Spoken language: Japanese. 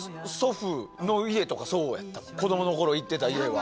子どもの頃行ってた家は。